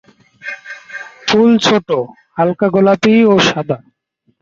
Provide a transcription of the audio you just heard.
ফুল ছোট, হালকা গোলাপি ও সাদা।